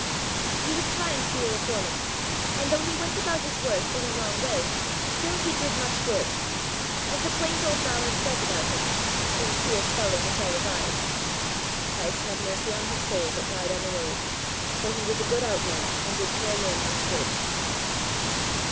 He was trying to be a reformer; and though he went about his work in a wrong way, still he did much good. As the quaint old ballad says about him in queer spelling which I revise, "Christ have mercy on his soul That died on the rood! For he was a good outlaw And did poor men much good."